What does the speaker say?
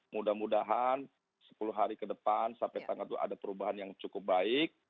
mudah mudahan sepuluh hari ke depan sampai tanggal itu ada perubahan yang cukup baik